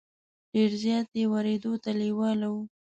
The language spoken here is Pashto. ډېر زیات یې ورېدو ته لېواله وو.